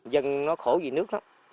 dân nó khổ vì nước đó